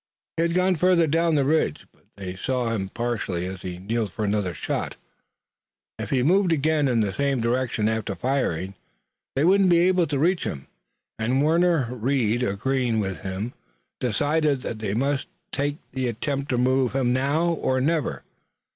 He had gone farther down the ridge, but they saw him partially as he kneeled for another shot. If he moved again in the same direction after firing they would not be able to reach him, and Warner, Reed agreeing with him, decided that they must make the attempt to remove him now or never.